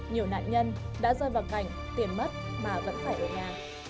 nhiều nạn nhân đã rơi vào cảnh tiền mất mà vẫn phải ở nhà